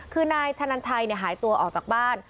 คือนายชะนันชัยหายตัวออกจากบ้าน